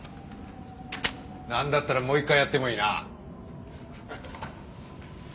なんだったらもう一回やってもいいな。